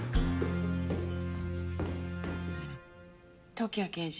時矢刑事。